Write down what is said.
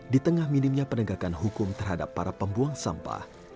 di tengah minimnya penegakan hukum terhadap para pembuang sampah